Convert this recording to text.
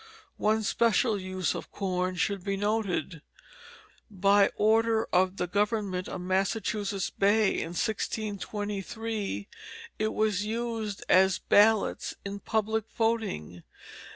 One special use of corn should be noted. By order of the government of Massachusetts Bay in 1623, it was used as ballots in public voting.